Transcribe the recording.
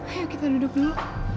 ayo kita duduk dulu